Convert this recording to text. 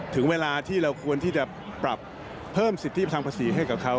ถึงเวลาที่เราควรที่จะปรับเพิ่มสิทธิทางภาษีให้กับเขา